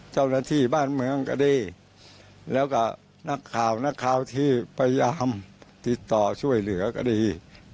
เจ้าหน้าที่บ้านเมืองก็ดีแล้วก็นักข่าวนักข่าวที่พยายามติดต่อช่วยเหลือก็ดี